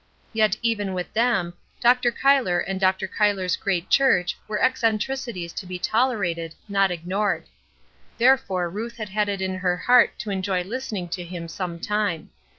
Yet, even with them, Dr. Cuyler and Dr. Cuyler's great church were eccentricities to be tolerated, not ignored. Therefore Ruth had had it in her heart to enjoy listening to him sometime.